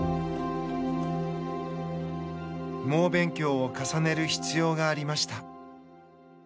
猛勉強を重ねる必要がありました。